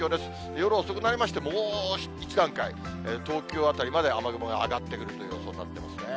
夜遅くなりまして、もう１段階、東京辺りまで雨雲が上がってくるという予想になってますね。